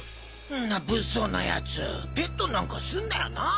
んな物騒なやつペットなんかすんなよな。